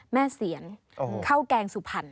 เสียนข้าวแกงสุพรรณ